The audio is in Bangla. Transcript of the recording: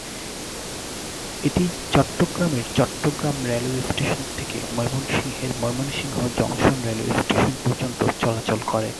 এটি চট্টগ্রামের চট্টগ্রাম রেলওয়ে স্টেশন থেকে ময়মনসিংহের ময়মনসিংহ জংশন রেলওয়ে স্টেশন পর্যন্ত চলাচল করে।